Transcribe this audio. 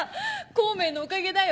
孔明のおかげだよ！